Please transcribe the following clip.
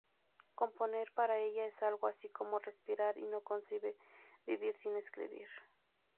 Componer para ella es algo así como respirar y no concibe vivir sin escribir.